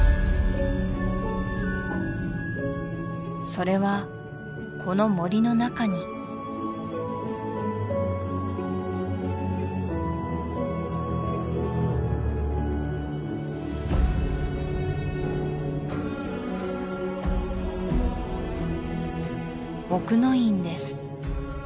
それはこの森の中に奥之院です